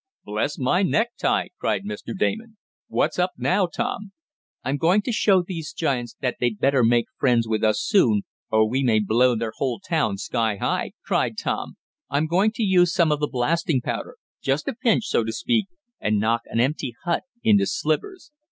"Bless my necktie!" cried Mr. Damon. "What's up now, Tom." "I'm going to show these giants that they'd better make friends with us soon, or we may blow their whole town sky high!" cried Tom. "I'm going to use some of the blasting powder just a pinch, so to speak and knock an empty hut into slivers.